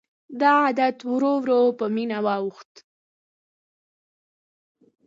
دا عادت ورو ورو په مینه واوښت.